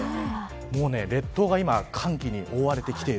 もう列島が今寒気に覆われてきている。